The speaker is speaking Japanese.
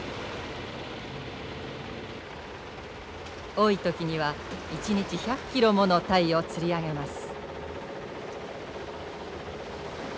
多い時には一日１００ｋｇものタイを釣り上げます。